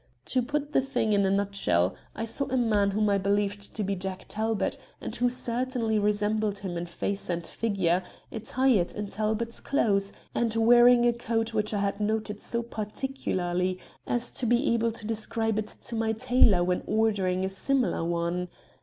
To put the thing in a nutshell, I saw a man whom I believed to be Jack Talbot and who certainly resembled him in face and figure attired in Talbot's clothes, and wearing a coat which I had noted so particularly as to be able to describe it to my tailor when ordering a similar one.